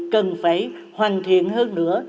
cần phải hoàn thiện hơn nữa